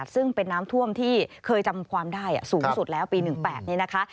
ซึ่งเป็นน้ำท่วมที่เคยจำความได้สูงสุดแล้วปี๑๘นี้นะคะ